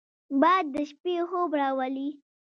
باد د شپې خوب راولي